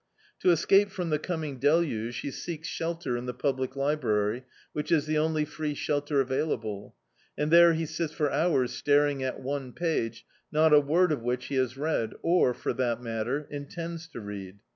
To es cape from the coming deluge he seeks shelter in the public library, which is the only free shelter availa ble ; and there he sits for hours staring at one page, not a word of which he has read or, for that matter, intends to read.